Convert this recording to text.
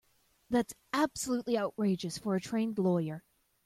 That's absolutely outrageous for a trained lawyer.